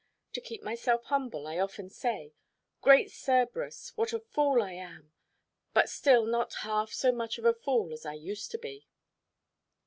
To keep myself humble, I often say, "Great Cerberus! what a fool I am, but still not half so much of a fool as I used to be."